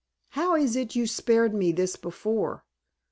"How is it you spared me this before?"